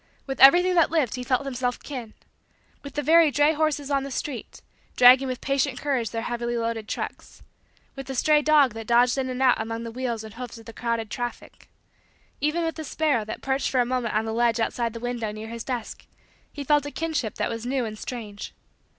With everything that lived he felt himself kin. With the very dray horses on the street, dragging with patient courage their heavily loaded trucks; with the stray dog that dodged in and out among the wheels and hoofs of the crowded traffic; even with the sparrow that perched for a moment on the ledge outside the window near his desk, he felt a kinship that was new and strange.